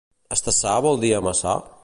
Estassar vol dir amassar?